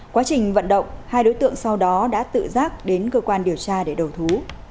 quá trình vận động hai đối tượng sau đó đã tự giác đến cơ quan điều tra để đầu thú